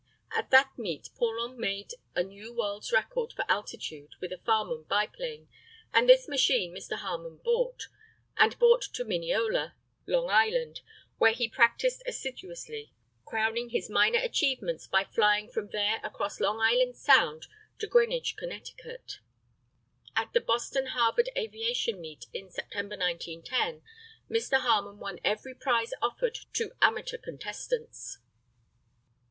At that meet Paulhan made a new world's record for altitude with a Farman biplane, and this machine Mr. Harmon bought, and brought to Mineola, L. I., where he practised assiduously, crowning his minor achievements by flying from there across Long Island Sound to Greenwich, Conn. At the Boston Harvard aviation meet, in September, 1910, Mr. Harmon won every prize offered to amateur contestants.